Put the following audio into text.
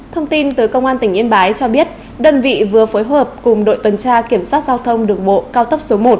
thông tin tới công an tỉnh yên bái cho biết đơn vị vừa phối hợp cùng đội tuần tra kiểm soát giao thông đường bộ cao tốc số một